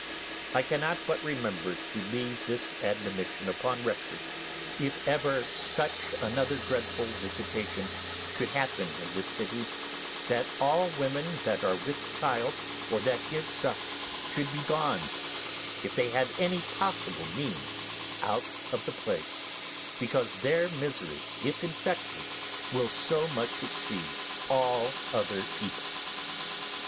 I cannot but remember to leave this admonition upon record, if ever such another dreadful visitation should happen in this city, that all women that are with child or that give suck should be gone, if they have any possible means, out of the place, because their misery, if infected, will so much exceed all other people's.